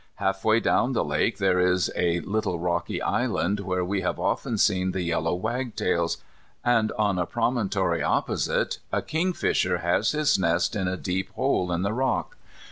Half way down the lake there is a little rocky island, where we have often seen the yellow wagtails, and on a promontory opposite a kingfisher has his nest in a deep hole in the rock.